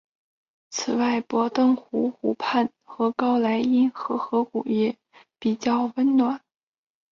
此外博登湖湖畔和高莱茵河河谷也比较温暖。